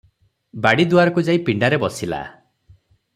ବାଡ଼ି ଦୁଆରକୁ ଯାଇ ପିଣ୍ଡାରେ ବସିଲା ।